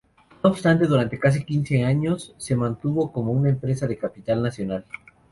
No obstante, durante casi quince años se mantuvo como una empresa de capital nacional.